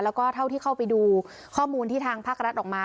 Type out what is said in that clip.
แล้วก็เท่าที่เข้าไปดูข้อมูลที่ทางภาครัฐออกมา